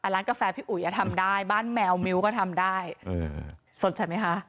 ร้านกาแฟพี่อุ๋ยทำได้บ้านแมวมิ้วก็ทำได้สดใช่ไหมคะ